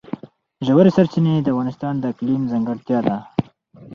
ژورې سرچینې د افغانستان د اقلیم ځانګړتیا ده.